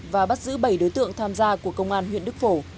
và bắt giữ bảy đối tượng tham gia của công an huyện đức phổ